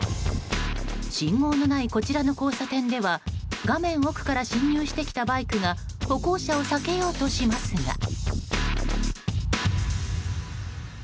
信号のない、こちらの交差点では画面奥から進入してきたバイクが歩行者を避けようとしますが。